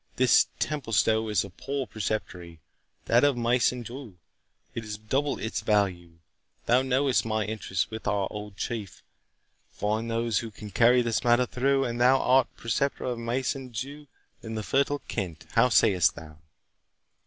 This Templestowe is a poor Preceptory—that of Maison Dieu is worth double its value—thou knowest my interest with our old Chief—find those who can carry this matter through, and thou art Preceptor of Maison Dieu in the fertile Kent—How sayst thou?"